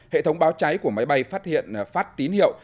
hệ thống báo cháy của máy bay phát hiện phát tín hiệu